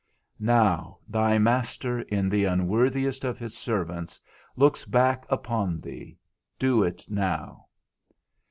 Now, thy Master (in the unworthiest of his servants) looks back upon thee, do it now.